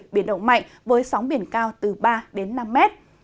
biển động mạnh với sóng biển cao từ ba đến năm mét